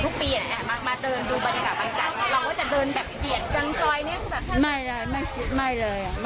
หรือว่าจะเดินแบบเดียนจังจอยเนี้ยคือแบบไม่เลยไม่เลยอ่ะ